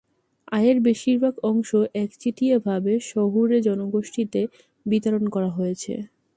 আয়ের বেশিরভাগ অংশ একচেটিয়াভাবে শহুরে জনগোষ্ঠীতে বিতরণ করা হয়েছে।